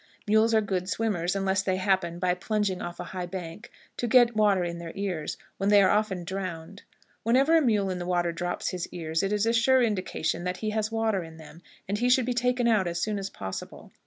Mules are good swimmers unless they happen, by plunging off a high bank, to get water in their ears, when they are often drowned. Whenever a mule in the water drops his ears, it is a sure indication that he has water in them, and he should be taken out as soon as possible.